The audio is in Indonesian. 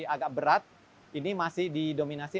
agak berat ini masih didominasi